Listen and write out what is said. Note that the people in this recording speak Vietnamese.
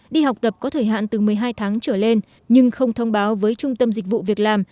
đi học tập có thời hạn từ một mươi hai tháng trở lên nhưng không thông báo với trung tâm dịch vụ việc làm